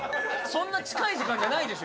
そんな近い時間じゃないでしょ。